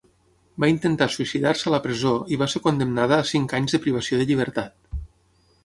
Va intentar suïcidar-se a la presó i va ser condemnada a cinc anys de privació de llibertat.